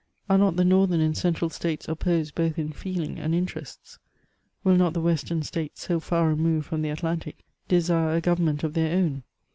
Are not the Northern and Central States opposed both in feeling and interests ? Will not the Western States so far removed from the Atlantic, desire a government of their own?